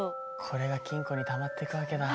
これが金庫にたまっていくわけだ。